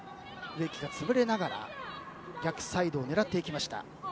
植木が潰れながら逆サイドを狙っていきました。